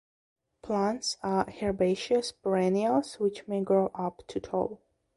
Plants are herbaceous perennials which may grow up to tall.